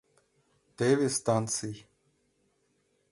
...Теве станций.